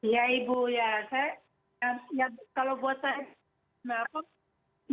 ya ibu ya saya ya kalau buat saya apa